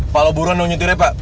kalau buruan dong nyetirnya pak